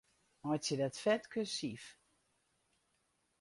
Meitsje dat fet kursyf.